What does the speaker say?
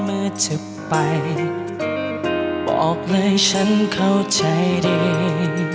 เมื่อเธอไปบอกเลยฉันเข้าใจดี